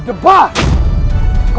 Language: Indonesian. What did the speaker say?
untuk mengingkari semua perjanjian kita